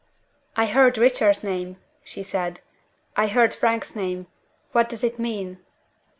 "I heard Richard's name!" she said. "I heard Frank's name! What does it mean?"